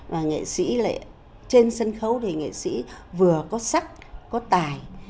và nghệ sĩ lại trên sân khấu thì nghệ sĩ vừa có sắc có tài